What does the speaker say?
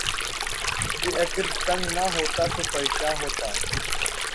کہ اگر تنگ نہ ہوتا تو پریشاں ہوتا